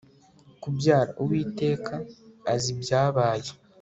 kubyara. uwiteka azi ibyabaye